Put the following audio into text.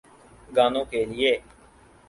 گانوں کیلئے۔